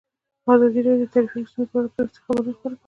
ازادي راډیو د ټرافیکي ستونزې په اړه پرله پسې خبرونه خپاره کړي.